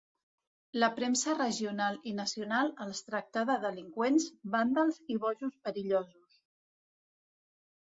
La premsa regional i nacional els tractà de delinqüents, vàndals i bojos perillosos.